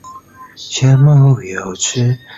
巴舒亚伊出生于比利时首都布鲁塞尔。